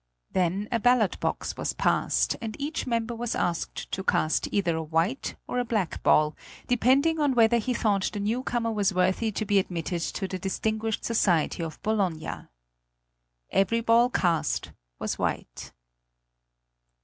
Then a ballot box was passed, and each member was asked to cast either a white or a black ball, depending on whether he thought the newcomer was worthy to be admitted to the distinguished society of Bologna. Every ball cast was white.